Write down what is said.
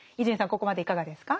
ここまでいかがですか？